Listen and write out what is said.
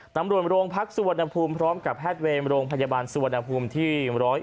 ตำรวจโรงพักสุวรรณภูมิพร้อมกับแพทย์เวรโรงพยาบาลสุวรรณภูมิที่๑๐๑